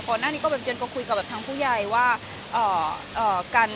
ก่อนหน้านี้แบบจะมาคุยกับทางผู้ใหญ่ว่า